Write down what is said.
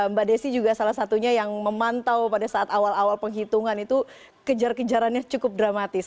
mbak desi juga salah satunya yang memantau pada saat awal awal penghitungan itu kejar kejarannya cukup dramatis